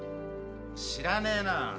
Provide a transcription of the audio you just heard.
知らねえな。